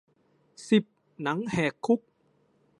สิบ หนังแหกคุก